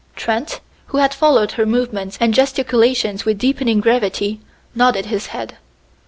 Trent, who had followed her movements and gesticulations with deepening gravity, nodded his head.